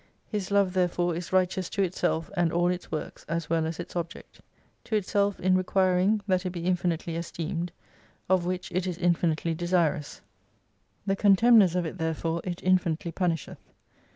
His love therefore is righteous to itself and all its works as well as its object. To itself in requiring that it be infi nitely esteemed, of which it is mfinitely desirous. The contemners of it therefore it infinitely punisheth.